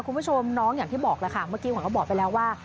คุณผู้ชมน้องอย่างที่บอกแล้วค่ะเมื่อกี้ขวัญก็บอกไปแล้วว่า